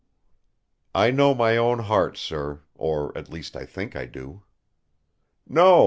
"I know my own heart, sir; or, at least, I think I do!" "No!